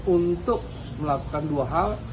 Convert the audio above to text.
untuk melakukan dua hal